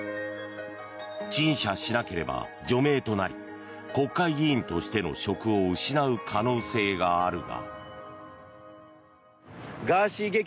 陳謝しなければ除名となり国会議員としての職を失う可能性があるが。